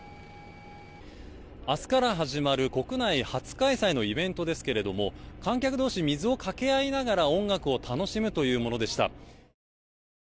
明日から始まる国内初開催のイベントですけど観客同士、水をかけ合いながら音楽を楽しむというものでした。